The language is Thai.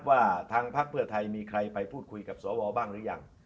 ว่าทางพักเพื่อไทยมีใครไปพูดคุยกับสวบ้างหรือยัง